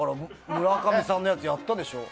村上さんのやつやったでしょ。